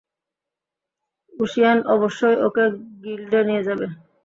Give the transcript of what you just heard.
ঊশিয়ান অবশ্যই ওকে গিল্ডে নিয়ে যাবে।